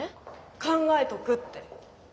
考えとくって。